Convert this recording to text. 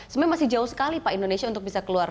sebenarnya masih jauh sekali pak indonesia untuk bisa keluar